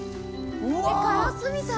ガラスみたい。